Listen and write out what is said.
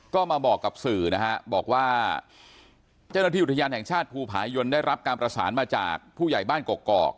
ก็มาบอกกับสื่อนะฮะบอกว่าเจ้าหน้าที่อุทยานแห่งชาติภูผายนได้รับการประสานมาจากผู้ใหญ่บ้านกอก